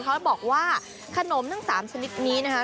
เขาบอกว่าขนมทั้ง๓ชนิดนี้นะคะ